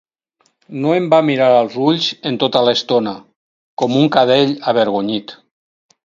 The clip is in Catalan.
No em va mirar als ulls en tota l'estona, com un cadell avergonyit.